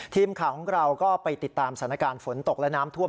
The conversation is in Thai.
ทีมข่าวของเราก็ไปติดตามสถานการณ์ฝนตกและน้ำท่วม